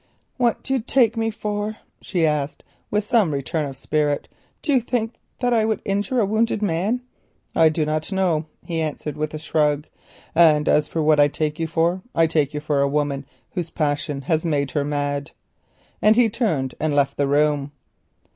"What do you take me for?" she asked, with some return of spirit; "do you think that I would injure a wounded man?" "I do not know," he answered, with a shrug, "and as for what I take you for, I take you for a woman whose passion has made her mad," and he turned and left the room.